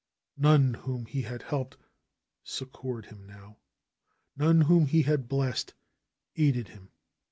None whom he had helped succored him now; none whom he had blessed aided him.